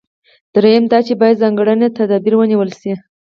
درېیم دا چې باید ځانګړي تدابیر ونیول شي.